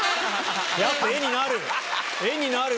やっぱ画になる！